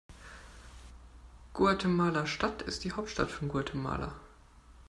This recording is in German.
Guatemala-Stadt ist die Hauptstadt von Guatemala.